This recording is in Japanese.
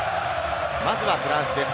まずはフランスです。